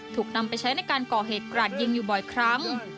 ถูกนำไปใช้ในการก่อเหตุกราดยิงอยู่บ่อยครั้ง